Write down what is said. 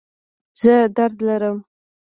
زه درد لرم